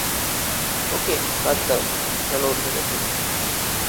ওকে, বাদ দাও, চলো অন্য কোথাও যাই।